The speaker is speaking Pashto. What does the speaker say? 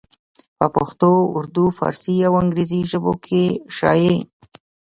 پۀ پښتو اردو، فارسي او انګريزي ژبو کښې شايع